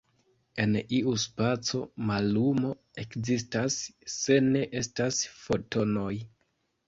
En iu spaco, mallumo ekzistas se ne estas Fotonoj.